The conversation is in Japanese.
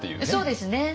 そうですね。